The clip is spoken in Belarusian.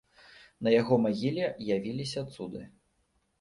На яго магіле явіліся цуды.